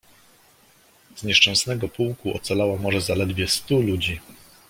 "Z nieszczęsnego pułku ocalało może zaledwie stu ludzi."